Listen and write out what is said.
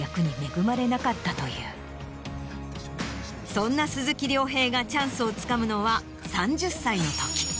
そんな鈴木亮平がチャンスをつかむのは３０歳の時。